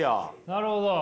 なるほど。